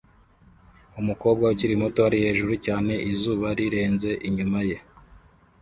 Umukobwa ukiri muto ari hejuru cyane izuba rirenze inyuma ye